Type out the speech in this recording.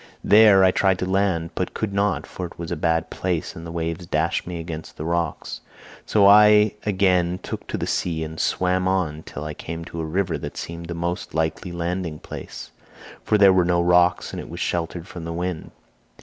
"There I tried to land, but could not, for it was a bad place and the waves dashed me against the rocks, so I again took to the sea and swam on till I came to a river that seemed the most likely landing place, for there were no rocks and it was sheltered from the wind.